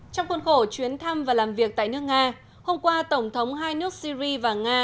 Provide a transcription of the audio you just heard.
trong khuôn khổ chuyến thăm và làm việc tại nước nga hôm qua tổng thống hai nước syri và nga